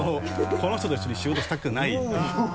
この人と一緒に仕事したくないっていう。